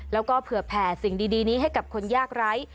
แล้วก็เผื่อแผ่สิ่งดีนี้ให้กับคนยากไร้